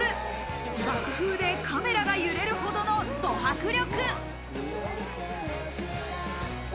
爆風でカメラが揺れるほどのド迫力。